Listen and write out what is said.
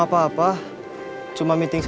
apa apa juga investment